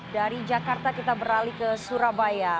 dari jakarta kita beralih ke surabaya